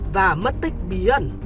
và mất tích bí ẩn